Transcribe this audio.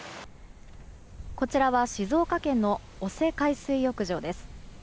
こちらは静岡県の大瀬海水浴場です。